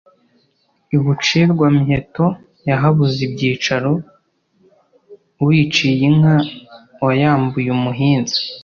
I Bucirwa-miheto yahabuze ibyicaro, Uyiciye inka wayambuye umuhinza.